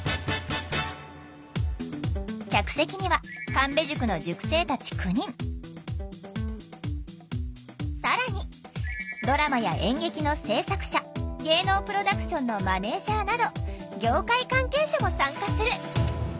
客席には神戸塾の塾生たち９人更にドラマや演劇の制作者芸能プロダクションのマネージャーなど業界関係者も参加する。